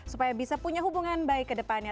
supaya bisa punya hubungan baik ke depannya